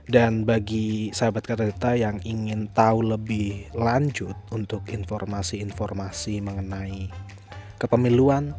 dan bagi sahabat kata data yang ingin tahu lebih lanjut untuk informasi informasi mengenai kepemiluan